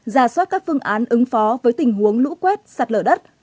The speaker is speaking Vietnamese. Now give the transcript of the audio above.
ra soát các phương án ứng phó với tình huống lũ quét sạt lở đất